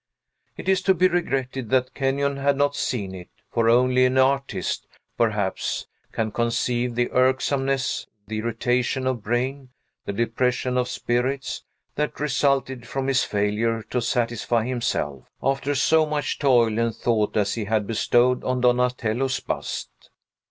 It is to be regretted that Kenyon had not seen it; for only an artist, perhaps, can conceive the irksomeness, the irritation of brain, the depression of spirits, that resulted from his failure to satisfy himself, after so much toil and thought as he had bestowed on Donatello's bust.